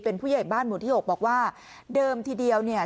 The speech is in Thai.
เป็นผู้ใหญ่บ้านหมู่ที่หกบอกว่าเดิมทีเดียวเนี่ย